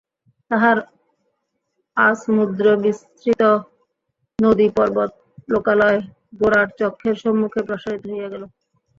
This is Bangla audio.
তাহার আসমুদ্রবিস্তৃত নদীপর্বত লোকালয় গোরার চক্ষের সম্মুখে প্রসারিত হইয়া গেল।